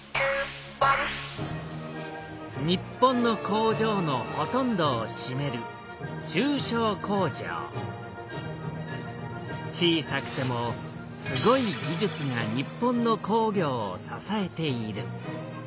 日本の工場のほとんどをしめる中小工場小さくてもすごい技術が日本の工業を支えている。